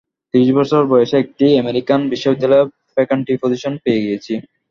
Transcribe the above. ত্রিশ বছর বয়সে একটি আমেরিকান বিশ্ববিদ্যালয়ে ফ্যাকান্টি পজিশন পেয়ে গেছি!